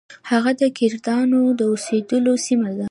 هغه د کردانو د اوسیدلو سیمه ده.